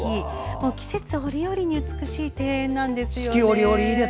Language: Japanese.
季節折々に美しい庭園なんですよね。